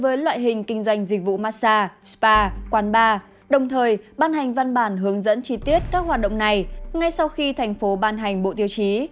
với loại hình kinh doanh dịch vụ massage spa quán bar đồng thời ban hành văn bản hướng dẫn chi tiết các hoạt động này ngay sau khi thành phố ban hành bộ tiêu chí